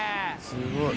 すごい！